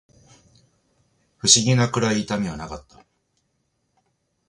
不思議なくらい痛みはなかった